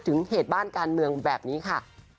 เหตุบ้านการเมืองแบบนี้ค่ะ